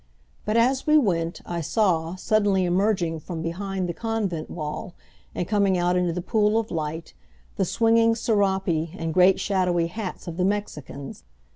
But, as we went, I saw, suddenly emerging from behind the convent wall and coming out into the pool of light, the swinging serapes and great shadowy hats of the Mexicans.